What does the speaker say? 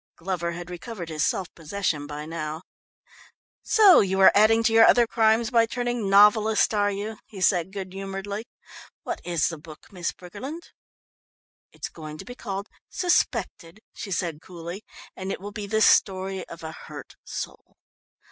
Glover had recovered his self possession by now. "So you are adding to your other crimes by turning novelist, are you?" he said good humouredly. "What is the book, Miss Briggerland?" "It is going to be called 'Suspected,'" she said coolly. "And it will be the Story of a Hurt Soul."